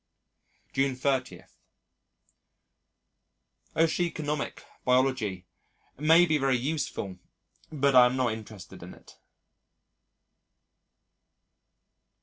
June 30. Oeconomic biology may be very useful but I am not interested in it.